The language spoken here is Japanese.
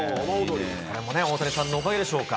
これも大谷さんのおかげでしょうか。